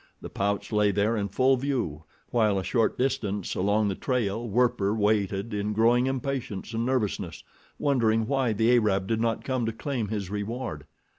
The pouch lay there in full view, while a short distance along the trail, Werper waited in growing impatience and nervousness, wondering why the Arab did not come to claim his reward.